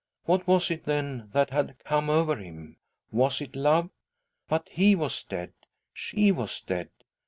Whaw tt then that had come over him? Was it love? But he was dead she was dead!